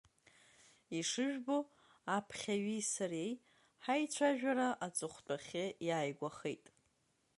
Ишыжәбо аԥхьаҩи сареи ҳаицәажәара аҵыхәтәахьы иааигәахеит.